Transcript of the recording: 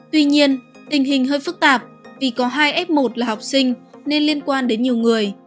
tuy nhiên tình hình hơi phức tạp vì có hai f một là học sinh nên liên quan đến nhiều người